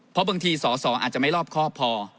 เพราะบางทีสอสออาจจะไม่รอบครอบพอ